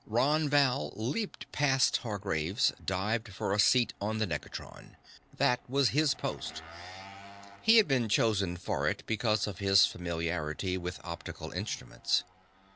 Ron Val leaped past Hargraves, dived for a seat on the negatron. That was his post. He had been chosen for it because of his familiarity with optical instruments.